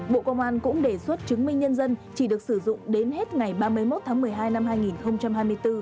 bộ công an cũng đề xuất chứng minh nhân dân chỉ được sử dụng đến hết ngày ba mươi một tháng một mươi hai năm hai nghìn hai mươi bốn